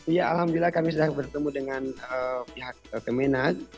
ya alhamdulillah kami sudah bertemu dengan pihak kemenag